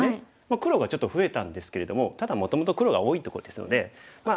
黒がちょっと増えたんですけれどもただもともと黒が多いところですのでまあ